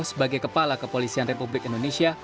sebagai kepala kepolisian republik indonesia